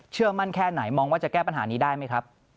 มั่นแค่ไหนมองว่าจะแก้ปัญหานี้ได้ไหมครับ